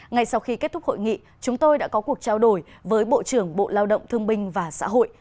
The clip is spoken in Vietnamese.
ngay sau khi kết thúc hội nghị chúng tôi đã có cuộc trao đổi với bộ trưởng bộ lao động thương binh và xã hội